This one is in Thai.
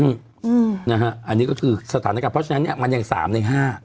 อันนี้ก็คือสถานการณ์เพราะฉะนั้นเนี่ยมันยัง๓ใน๕